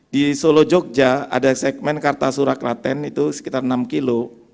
di solo jogja ada segmen kartasura klaten itu sekitar enam kilo